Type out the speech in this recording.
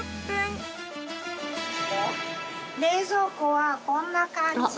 冷蔵庫はこんな感じ！